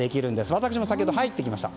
私も先ほど入ってきました。